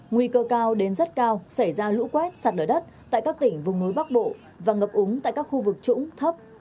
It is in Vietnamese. nguy cơ cao đến rất cao xảy ra lũ quét sạt lở đất tại các tỉnh vùng núi bắc bộ và ngập úng tại các khu vực trũng thấp